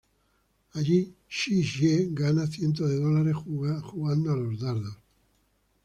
Allí, Shi Jie gana cientos de dólares jugar a los dardos.